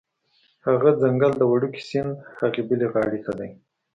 هغه ځنګل د وړوکي سیند هغې بلې غاړې ته دی